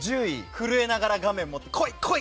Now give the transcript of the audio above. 震えながら画面に来い来い！